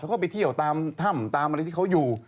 เขาก็ไปเที่ยวตามถ้ำตามอะไรที่เขาอยู่